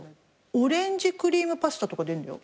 オレンジクリームパスタとか出るんだよ